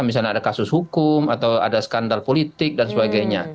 misalnya ada kasus hukum atau ada skandal politik dan sebagainya